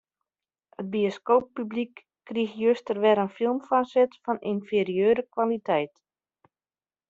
It bioskooppublyk krige juster wer in film foarset fan ynferieure kwaliteit.